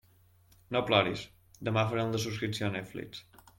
No ploris, demà farem la subscripció a Netflix.